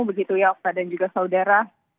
begitu ya okta dan juga saudara